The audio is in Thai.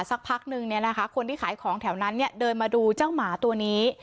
สักพักหนึ่งเนี้ยนะคะคนที่ขายของแถวนั้นเนี้ยเดินมาดูเจ้าหมาตัวนี้